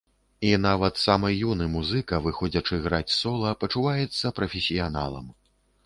І нават самы юны музыка, выходзячы граць сола, пачуваецца прафесіяналам!